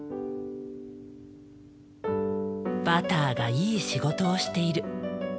バターがいい仕事をしている。